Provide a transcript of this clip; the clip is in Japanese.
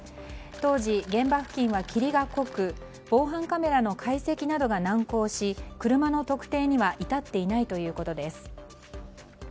当時、現場付近は霧が濃く防犯カメラの解析などが難航し車の特定には至っていないということです。